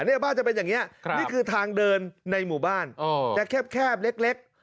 เนี่ยบ้านจะเป็นอย่างนี้นี่คือทางเดินในหมู่บ้านจะแคบเล็ก